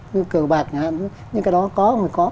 như cờ bạc những cái đó có